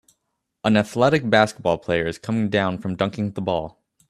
An athletic basketball player is coming down from dunking the ball